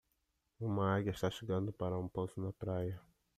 Uma águia está chegando para um pouso na praia.